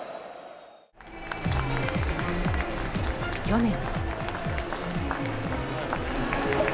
去年。